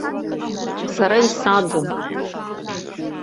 Сара исаӡом.